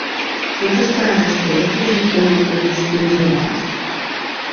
Quantes parades té el trajecte en autobús fins a Das?